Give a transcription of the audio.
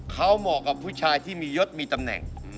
เขาเหมาะกับผู้ชายที่มียศมีตำแหน่ง